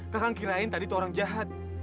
kakang kirain tadi itu orang jahat